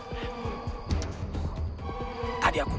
mau askedannya angela